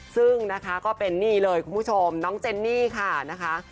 ซึ่งนะคะก็เป็นนี่เลยคุณผู้ชมน้องเจนนี่ค่ะนะคะ